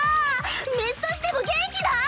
メスとしても元気だ！